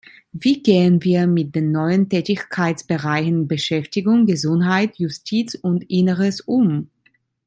Wie gehen wir mit den neuen Tätigkeitsbereichen Beschäftigung, Gesundheit, Justiz und Inneres um?